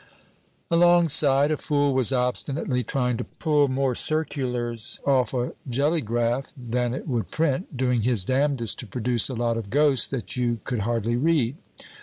"Alongside, a fool was obstinately trying to pull more circulars off a jellygraph than it would print, doing his damnedest to produce a lot of ghosts that you could hardly read.